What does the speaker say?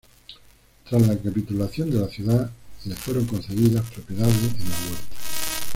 Tras la capitulación de la ciudad le fueron concedidas propiedades en la huerta.